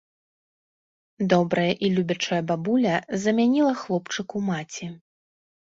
Добрая і любячая бабуля замяніла хлопчыку маці.